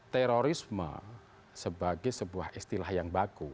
terorisme sebagai sebuah istilah yang baku